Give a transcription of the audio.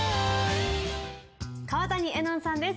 川谷絵音さんです